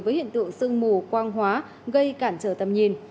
với hiện tượng sương mù quang hóa gây cản trở tầm nhìn